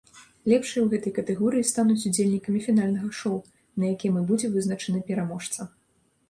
Лепшыя ў гэтай катэгорыі стануць удзельнікамі фінальнага шоу, на якім і будзе вызначаны пераможца.